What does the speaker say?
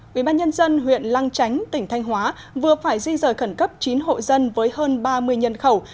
quỹ ban nhân dân huyện lăng chánh tỉnh thanh hóa vừa phải di dời khẩn cấp chín hộ dân với hơn ba mươi nhân khẩu